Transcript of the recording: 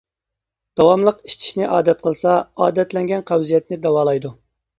داۋاملىق ئىچىشنى ئادەت قىلسا ئادەتلەنگەن قەۋزىيەتنى داۋالايدۇ.